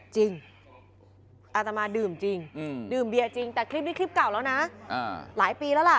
จริงอาตมาดื่มจริงดื่มเบียร์จริงแต่คลิปนี้คลิปเก่าแล้วนะหลายปีแล้วล่ะ